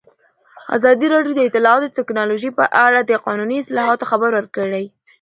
ازادي راډیو د اطلاعاتی تکنالوژي په اړه د قانوني اصلاحاتو خبر ورکړی.